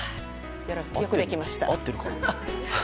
よくできました。